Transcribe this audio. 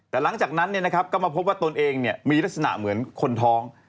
แต่หลังจากนั้นก็มาพบว่าตนเองมีลักษณะเหมือนคนท้อง